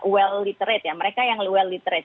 well literate ya mereka yang well literate